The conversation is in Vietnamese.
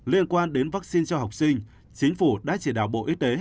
liên quan đến vaccine cho học sinh chính phủ đã chỉ đạo bộ y tế